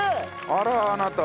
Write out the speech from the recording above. あらあなた。